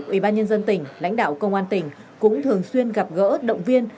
ủy ban nhân dân tỉnh lãnh đạo công an tỉnh cũng thường xuyên gặp gỡ động viên